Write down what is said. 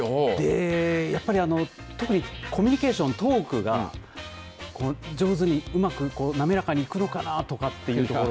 やっぱり特にコミュニケーション、トークが上手にうまく、なめらかにいくのかなとかというところ。